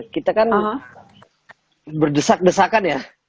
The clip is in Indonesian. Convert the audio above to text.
kita kan berdesak desakan ya